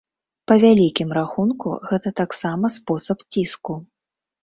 Па вялікім рахунку, гэта таксама спосаб ціску.